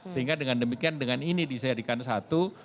sehingga dengan demikian dengan ini dijadikan satu